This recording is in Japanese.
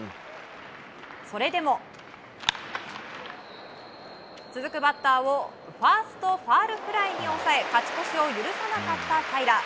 それでも、続くバッターをファーストファウルフライに抑え勝ち越しを許さなかった平良。